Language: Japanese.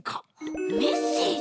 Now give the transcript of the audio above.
メッセージ？